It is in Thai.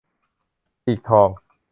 ปีกทอง